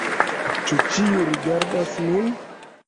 Ĉu ĉiuj rigardas min?